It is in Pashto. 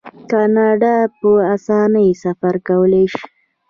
کاناډایان په اسانۍ سفر کولی شي.